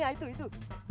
ya itu itu